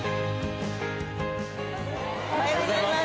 おはようございます。